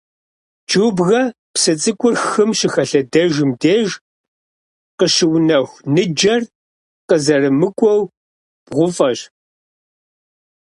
Джубгэ псы цӀыкӀур хым щыхэлъэдэжым деж къыщыунэху ныджэр къызэрымыкӀуэу бгъуфӀэщ.